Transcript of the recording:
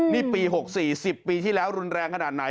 นี่ปี๖๔๐ปีที่แล้วรุนแรงขนาดไหน